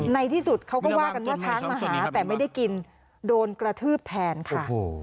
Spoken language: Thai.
ในที่สุดเขาก็ว่ากันว่าช้างมาหาแต่ไม่ได้กินโดนกระทืบแทนค่ะ